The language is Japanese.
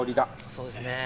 そうですね。